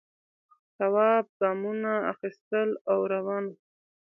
تواب گامونه اخیستل او روان و.